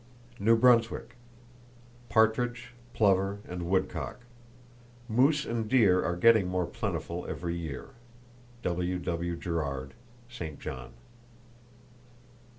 New Brunswick: Partridge, plover and woodcock. Moose and deer are getting more plentiful every year.—(W.W. Gerard, St. John.)